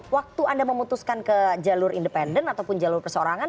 waktu anda memutuskan ke jalur independen ataupun jalur perseorangan